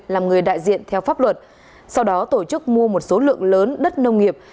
làm người đại diện theo pháp luật sau đó tổ chức mua một số lượng lớn đất nông nghiệp